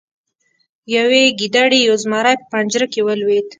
یوې ګیدړې یو زمری په پنجره کې ولید.